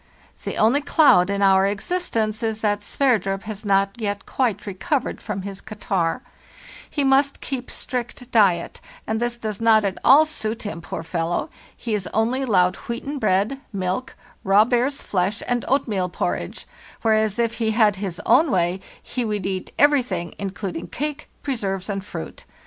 The only cloud in our existence is that Sverdrup has not yet quite recovered from his catarrh. He must keep strict diet, and this does not at all suit him, poor fellow! He is only allowed wheaten bread, milk, raw bear's flesh, and oatmeal porridge; whereas if he had his own way he would eat everything, including cake, preserves, and fruit.